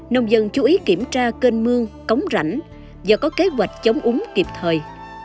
nông dân chú ý kiểm tra kênh mương cống rảnh do có kế hoạch chống úng kịp thời